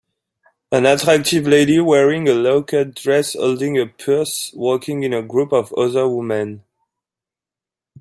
An attractive lady wearing a low cut dress holding a purse walking in a group of other women